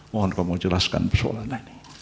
mohon kamu menjelaskan persoalannya